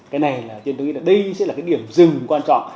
cái này là trên tôi nghĩ là đây sẽ là cái điểm dừng quan trọng